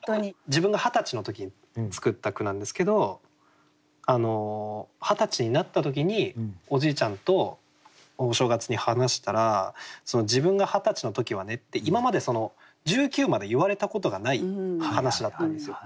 自分が二十歳の時に作った句なんですけど二十歳になった時におじいちゃんとお正月に話したら「自分が二十歳の時はね」って今まで１９まで言われたことがない話だったんですよ。